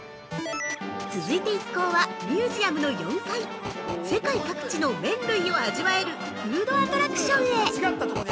◆続いて一行はミュージアムの４階世界各地の麺類を味わえるフードアトラクションへ。